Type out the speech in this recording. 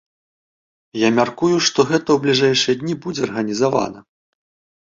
Я мяркую, што гэта ў бліжэйшыя дні будзе арганізавана.